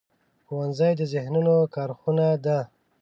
ښوونځی د ذهنونو کارخونه ده